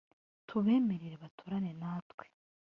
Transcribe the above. tubemerere baturane natwe